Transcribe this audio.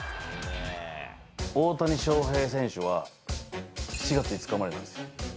大谷翔平選手は、７月５日生まれなんですよ。